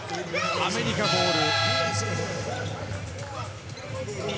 アメリカボール。